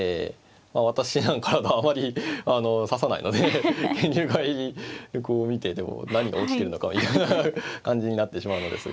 私なんかだとあまり指さないので研究会こう見ていても何が起きてるのかみたいな感じになってしまうのですが。